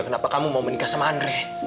kenapa kamu mau menikah sama andre